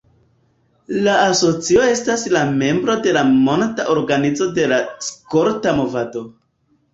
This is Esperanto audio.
La asocio estas la membro de Monda Organizo de la Skolta Movado.